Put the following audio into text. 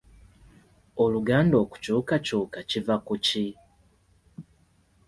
Oluganda okukyukakyuka kiva ku ki?